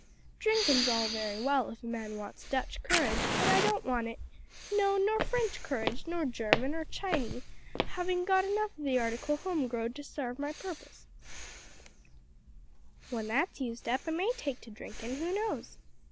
Drinkin's all very well if a man wants Dutch courage, but I don't want it no, nor French courage, nor German, nor Chinee, havin' got enough o' the article home growed to sarve my purpus. When that's used up I may take to drinkin' who knows?